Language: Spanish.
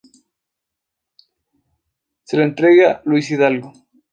Se la entrega Luis Hidalgo.